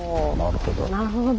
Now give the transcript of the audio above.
なるほど。